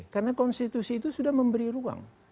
karena konstitusi itu sudah memberi ruang